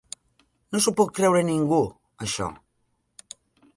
No s'ho pot creure ningú, això.